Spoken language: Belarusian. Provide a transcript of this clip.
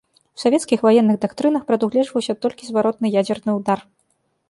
У савецкіх ваенных дактрынах прадугледжваўся толькі зваротны ядзерны ўдар.